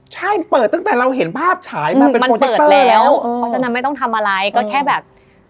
ใช่เปิดตั้งแต่เราเห็นภาพฉายมาเป็นมันเปิดแล้วเพราะฉะนั้นไม่ต้องทำอะไรก็แค่แบบ